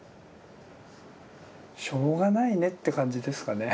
しょうがないねって感じですかね。